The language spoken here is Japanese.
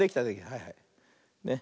はいはい。ね。